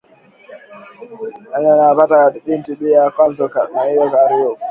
Bengine abaya pata bintu bia kwanza nabio kurima